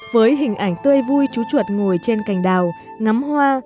với hình ảnh tươi vui chú chuột ngồi trên cành đào ngắm hoa